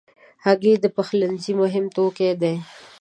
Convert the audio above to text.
هګۍ د پخلنځي مهم توکي دي.